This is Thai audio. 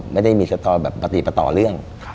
ไม่ได้มีสตอแบบปฏิปต่อเรื่อง